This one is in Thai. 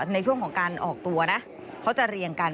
ในช่วงของการออกตัวนะเขาจะเรียงกัน